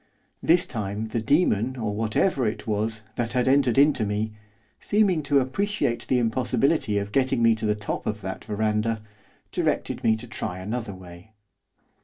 This time the demon, or whatever it was, that had entered into me, seeming to appreciate the impossibility of getting me to the top of that verandah, directed me to try another way.